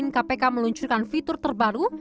kpk meluncurkan fitur terbaru